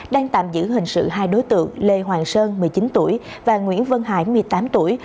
đang tạm giữ hình sự hai đối tượng lê hoàng sơn một mươi chín tuổi và nguyễn văn hải một mươi tám tuổi